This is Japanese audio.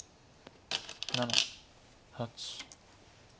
７８。